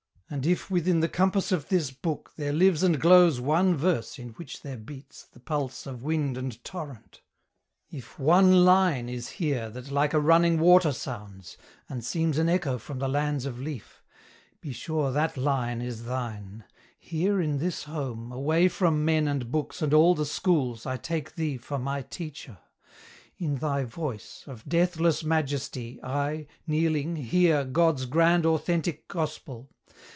And if, within the compass of this book, There lives and glows one verse in which there beats The pulse of wind and torrent if one line Is here that like a running water sounds, And seems an echo from the lands of leaf, Be sure that line is thine. Here, in this home, Away from men and books and all the schools, I take thee for my Teacher. In thy voice Of deathless majesty, I, kneeling, hear God's grand authentic Gospel!